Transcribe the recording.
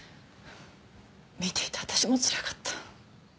見ていて私もつらかった。